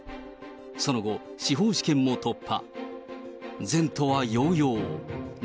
その後、司法試験も突破。